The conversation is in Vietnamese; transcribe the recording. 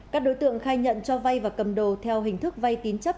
các đối tượng khai nhận cho vay và cầm đồ theo hình thức vay tín chấp